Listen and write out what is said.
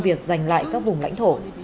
việc giành lại các vùng lãnh thổ